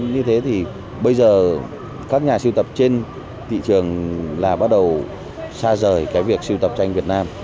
như thế thì bây giờ các nhà siêu tập trên thị trường là bắt đầu xa rời cái việc siêu tập tranh việt nam